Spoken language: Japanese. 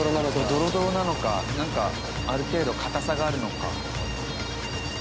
ドロドロなのかなんかある程度硬さがあるのか。